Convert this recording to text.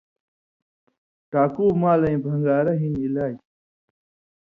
ٹاکُو مالَیں بھݩگارہ ہِن علاج